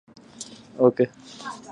أنت لوحدك الآن.